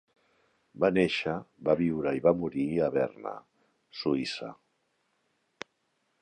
Va néixer, va viure i va morir a Berna, Suïssa.